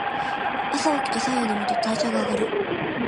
朝おきて白湯を飲むと代謝が上がる。